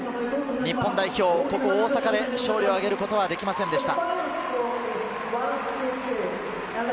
日本代表、ここ大阪で勝利を挙げることはできませんでした。